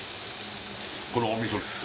これお味噌です